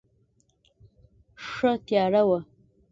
ښه تیاره وه.